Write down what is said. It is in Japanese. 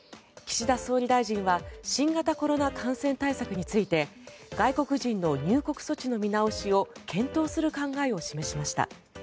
岸田総理大臣は新型コロナ感染対策について外国人の入国措置の見直しを検討する考えを示しました。